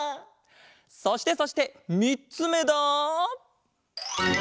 そしてそしてみっつめだ。